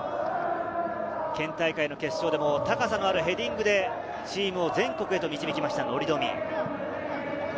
県大会の決勝でも高さのあるヘディングで、チームを全国へ導きました乗冨。